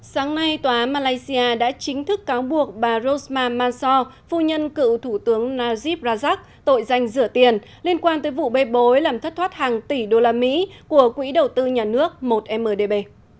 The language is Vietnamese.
sáng nay tòa malaysia đã chính thức cáo buộc bà rosmah mansor phu nhân cựu thủ tướng najib razak tội giành rửa tiền liên quan tới vụ bê bối làm thất thoát hàng tỷ usd của quỹ đầu tư nhà nước một mdb